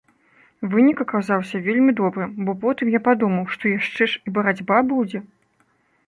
Вынік аказаўся вельмі добрым, бо потым я падумаў, што яшчэ ж і барацьба будзе.